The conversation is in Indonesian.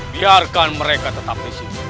biarkan mereka tetap disini